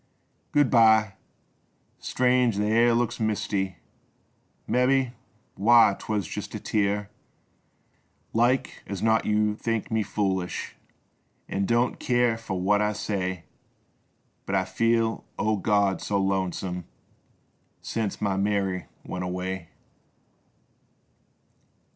Good by ! Strange th' air looks misty !— Mebby — why — 'twas just a tear ! Like as not j^ou think me foolish An' don't keer for what I say, But I feel, oh God, so lonesome Sence my Mary went away